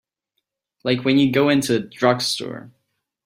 Like when you go into a drugstore.